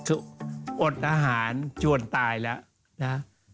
เอาดอ่าอดอาหารจววนตายแล้วนะ